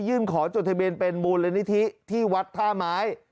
ยื่นขอจุดทะเบียนเป็นบูรณนิธิที่วัดท่าหมาย